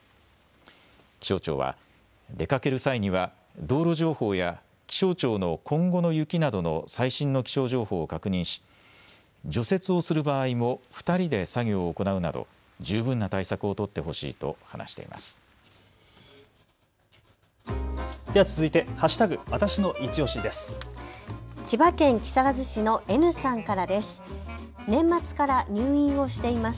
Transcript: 気象庁は出かける際には道路情報や気象庁の今後の雪などの最新の気象情報を確認し除雪をする場合も２人で作業を行うなど十分な対策を取ってほしいと話しています。